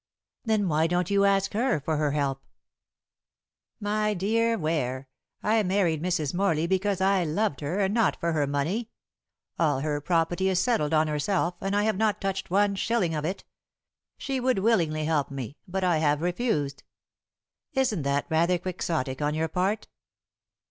"Then why don't you ask for her help?" "My dear Ware, I married Mrs. Morley because I loved her, and not for her money. All her property is settled on herself, and I have not touched one shilling of it. She would willingly help me, but I have refused." "Isn't that rather quixotic on your part?"